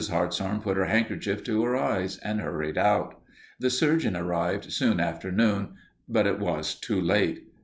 Hartshorn put her handkerchief to her eyes and hurried out. The surgeon arrived soon after noon, but it was too late.